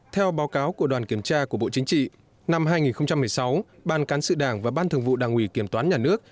theo báo cáo của đoàn kiểm tra của bộ chính trị năm hai nghìn một mươi sáu ban cán sự đảng và ban thường vụ đảng ủy kiểm toán nhà nước